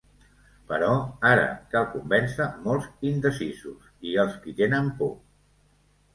Però ara cal convèncer molts indecisos i els qui tenen por.